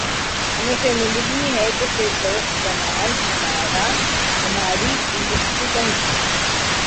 ہمیں شرمندگی ہے کہ فردوس جمال ہماری انڈسٹری کا حصہ ہیں